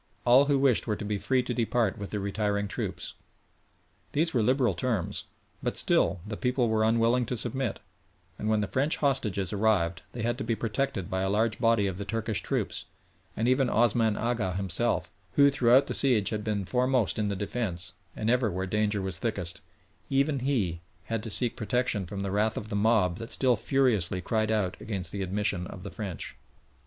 All who wished were to be free to depart with the retiring troops. These were liberal terms, but still the people were unwilling to submit, and when the French hostages arrived they had to be protected by a large body of the Turkish troops, and even Osman Agha himself, who throughout the siege had been foremost in the defence, and ever where danger was thickest, even he had to seek protection from the wrath of the mob that still furiously cried out against the admission of the French.